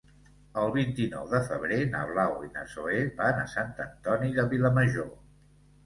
El vint-i-nou de febrer na Blau i na Zoè van a Sant Antoni de Vilamajor.